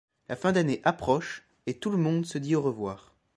La fin d'année approche, et tout le monde se dit au revoir.